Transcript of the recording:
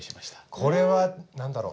これは何だろう？